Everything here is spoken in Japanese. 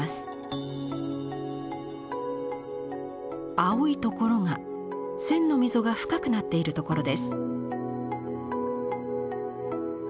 青いところが線の溝が深くなっているところです。